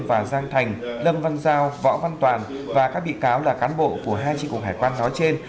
và giang thành lâm văn giao võ văn toàn và các bị cáo là cán bộ của hai tri cục hải quan nói trên